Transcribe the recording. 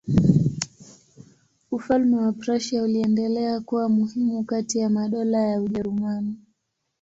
Ufalme wa Prussia uliendelea kuwa muhimu kati ya madola ya Ujerumani.